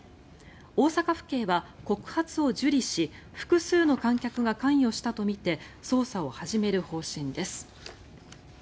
大阪府警は告発を受理し複数の観客が関与したとみて捜査を始める方針です。